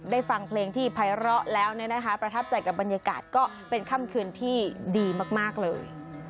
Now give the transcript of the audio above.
ฟังเพลงที่ภัยเลาะแล้วประทับใจกับบรรยากาศก็เป็นค่ำคืนที่ดีมากเลย